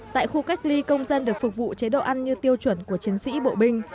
tại khu cách ly công dân được phục vụ chế độ ăn như tiêu chuẩn của chiến sĩ bộ binh